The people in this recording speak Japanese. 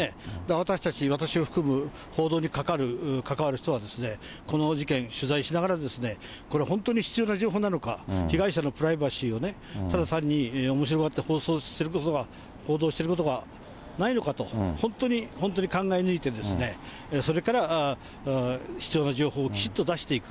私たち、私を含む報道に関わる人は、この事件、取材しながらですね、これ、本当に必要な情報なのか、被害者のプライバシーをね、ただ単におもしろがって放送することが、報道することがないのかと、本当に本当に考え抜いてですね、それから必要な情報をきちっと出していく。